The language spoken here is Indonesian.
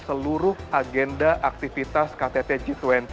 seluruh agenda aktivitas ktt g dua puluh